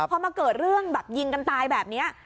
พอมาเกิดเรื่องแบบยิงกันตายแบบนี้